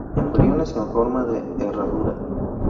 Embriones en forma de herradura.